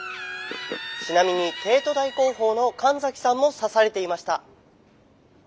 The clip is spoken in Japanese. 「ちなみに帝都大広報の神崎さんも刺されていました」。